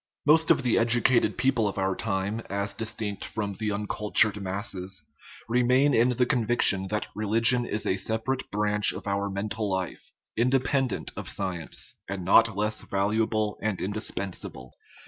Most of the educated people of our time (as distinct from the un cultured masses) remain in the conviction that religion 33 i THE RIDDLE OF THE UNIVERSE is a separate branch of our mental life, independent of science, and not less valuable and indispensable.